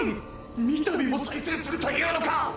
三たびも再生するというのか！？